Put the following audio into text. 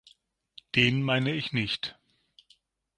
Den meine ich nicht.